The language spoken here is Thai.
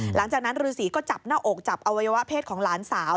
หลังจากนั้นฤษีก็จับหน้าอกจับอวัยวะเพศของหลานสาว